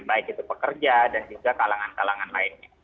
baik itu pekerja dan juga kalangan kalangan lainnya